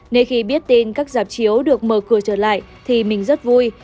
nên khi biết tin các giảm chiếu được mở cửa trở lại thì mình rất vui